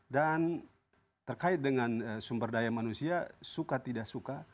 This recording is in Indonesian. dan terkait dengan sumber daya manusia suka tidak suka